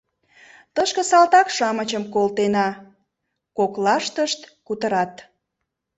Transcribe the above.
«Тышке салтак-шамычым колтена, — коклаштышт кутырат.